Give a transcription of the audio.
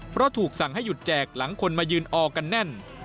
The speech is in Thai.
เพราะถูกสั่งให้หยุดแจกหลังคนมายืนออกกันแน่น